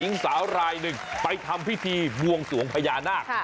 หญิงสาวรายหนึ่งไปทำพิธีบวงสวงพญานาค